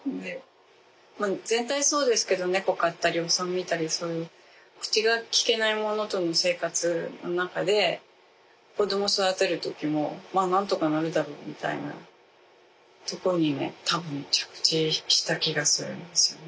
まあ全体そうですけど猫飼ったりお産見たりそういう口がきけないものとの生活の中で子供育てる時もまあなんとかなるだろうみたいなとこにね多分着地した気がするんですよね。